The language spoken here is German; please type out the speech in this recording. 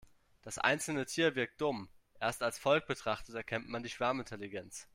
Das einzelne Tier wirkt dumm, erst als Volk betrachtet erkennt man die Schwarmintelligenz.